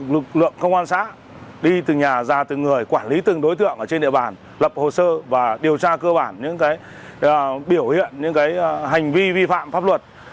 lực lượng công an xã đi từ nhà ra từ người quản lý từng đối tượng ở trên địa bàn lập hồ sơ và điều tra cơ bản những biểu hiện những hành vi vi phạm pháp luật